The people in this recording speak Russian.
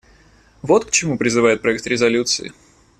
Вот к чему призывает проект резолюции.